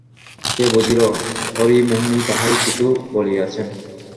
সে বুঝিল হরিমোহিনী তাঁহাকে কিছু বলিয়াছেন।